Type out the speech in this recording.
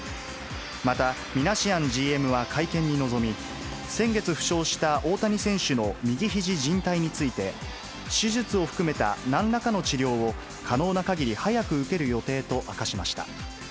また、ミナシアンＧＭは会見に臨み、先月負傷した大谷選手の右ひじじん帯について、手術を含めた、なんらかの治療を可能なかぎり早く受ける予定と明かしました。